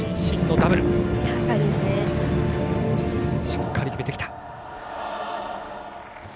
しっかり決めてきた。